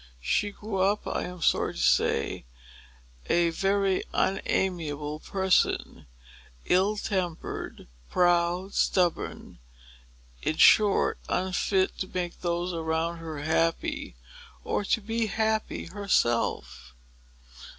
She grew up, I am sorry to say, a very unamiable person, ill tempered, proud, stubborn, and, in short, unfit to make those around her happy, or to be happy herself.